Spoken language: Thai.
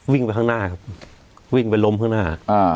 วิ่งไปข้างหน้าครับวิ่งไปล้มข้างหน้า